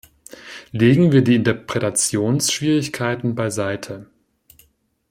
Legen wir die Interpretationsschwierigkeiten beiseite.